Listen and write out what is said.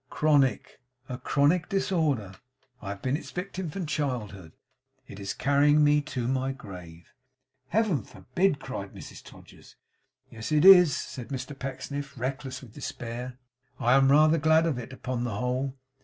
'Chron ic. A chronic disorder. I have been its victim from childhood. It is carrying me to my grave.' 'Heaven forbid!' cried Mrs Todgers. 'Yes, it is,' said Mr Pecksniff, reckless with despair. 'I am rather glad of it, upon the whole.